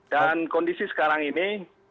dan kondisi sekarang ini